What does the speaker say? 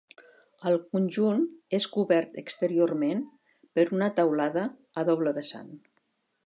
El conjunt és cobert exteriorment per una teulada a doble vessant.